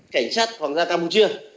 cảnh sát hoàng gia campuchia